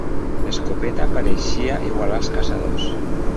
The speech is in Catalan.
L'escopeta pareixia igualar els caçadors.